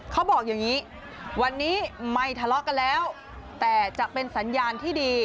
เขาบอกอย่างนี้วันนี้ไม่ทะเลาะกันแล้วแต่จะเป็นสัญญาณที่ดี